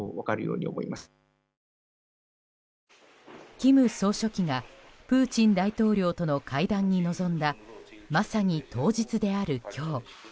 金総書記がプーチン大統領との会談に臨んだまさに当日である今日。